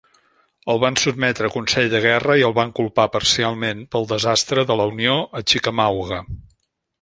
El van sotmetre a consell de guerra i el van culpar parcialment pel desastre de la Unió a Chickamauga.